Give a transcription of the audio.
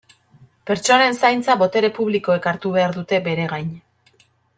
Pertsonen zaintza botere publikoek hartu behar dute bere gain.